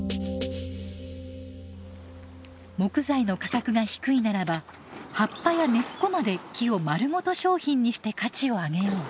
木材の価格が低いならば葉っぱや根っこまで木をまるごと商品にして価値を上げよう。